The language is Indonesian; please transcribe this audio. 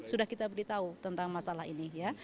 sudah kita beritahu tentang masalah ini ya